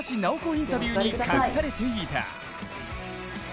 インタビューに隠されていた。